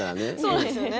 そうなんですよね。